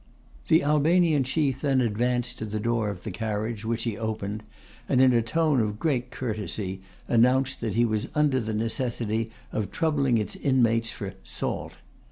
The Albanian Chief then advanced to the door of the carriage, which he opened, and in a tone of great courtesy, announced that he was under the necessity of troubling its inmates for 'salt.